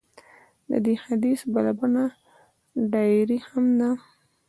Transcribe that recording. د دې حدیث بله بڼه ډایري هم ده.